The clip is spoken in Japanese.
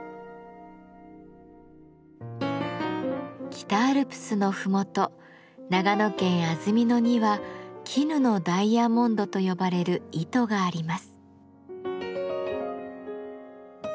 北アルプスの麓長野県安曇野には「絹のダイヤモンド」と呼ばれる糸があります。